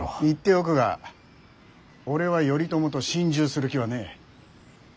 言っておくが俺は頼朝と心中する気はねえ。